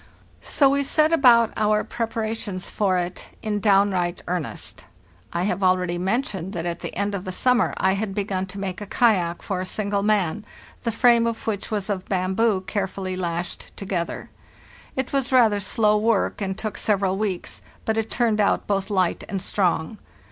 So we set about our preparations for it in downright I2 FARTHE SL NORTH earnest. I have already mentioned that at the end of the summer I had begun to make a kayak for a single man, the frame of which was of bamboo carefully lashed to gether. It was rather slow work, and took several weeks, but it turned out both light and strong.